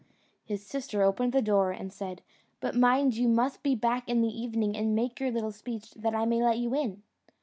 His sister opened the door and said, "But mind you must be back in the evening and make your little speech, that I may let you in."